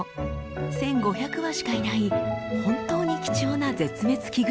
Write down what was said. １，５００羽しかいない本当に貴重な絶滅危惧種です。